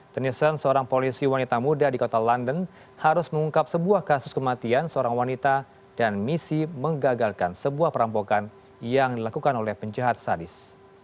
tennison seorang polisi wanita muda di kota london harus mengungkap sebuah kasus kematian seorang wanita dan misi menggagalkan sebuah perampokan yang dilakukan oleh penjahat sadis